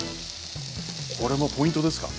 これもポイントですか？